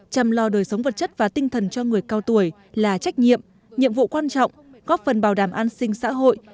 chăm lo đời sống vật chất và tinh thần cho người cao tuổi là trách nhiệm nhiệm vụ quan trọng góp phần bảo đảm an sinh xã hội